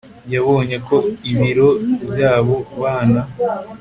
yabonye ko ibiro by'abo bana